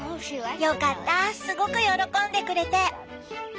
よかったすごく喜んでくれて！